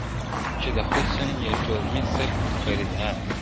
چي د حسن یې ټول مصر خریدار دی ..